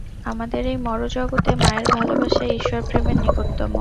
আমাদের এই মরজগতে মায়ের ভালবাসাই ঈশ্বর-প্রেমের নিকটতম।